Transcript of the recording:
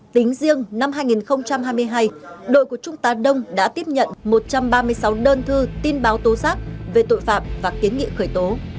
tính riêng năm hai nghìn hai mươi hai đội của trung tá đông đã tiếp nhận một trăm ba mươi sáu đơn thư tin báo tố giác về tội phạm và kiến nghị khởi tố